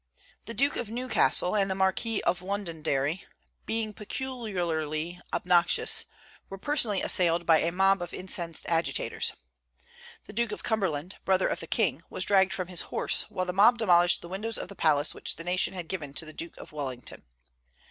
The Duke of Newcastle and the Marquis of Londonderry, being peculiarly obnoxious, were personally assailed by a mob of incensed agitators. The Duke of Cumberland, brother of the king, was dragged from his horse, while the mob demolished the windows of the palace which the nation had given to the Duke of Wellington.